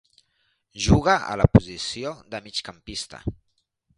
Juga a la posició de migcampista.